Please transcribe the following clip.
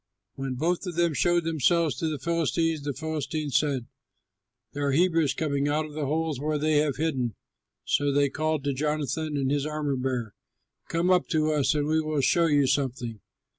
When both of them showed themselves to the Philistines, the Philistines said, "There are Hebrews coming out of the holes where they have hidden." So they called to Jonathan and his armor bearer, "Come up to us, and we will show you something!"